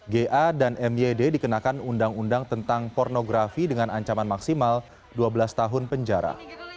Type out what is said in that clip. ga dan myd dikenakan undang undang tentang pornografi dengan ancaman maksimal dua belas tahun penjara